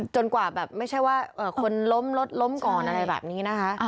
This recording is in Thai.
กว่าแบบไม่ใช่ว่าคนล้มรถล้มก่อนอะไรแบบนี้นะคะ